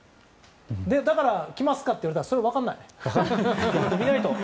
だから、来ますかって言われたらそれは分かんない。